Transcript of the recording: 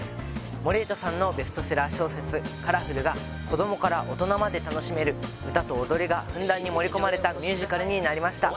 森絵都さんのベストセラー小説「カラフル」が子どもから大人まで楽しめる歌と踊りがふんだんに盛り込まれたミュージカルになりました